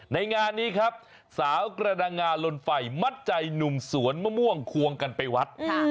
ในงานนี้ครับสาวกระดังงาลนไฟมัดใจหนุ่มสวนมะม่วงควงกันไปวัด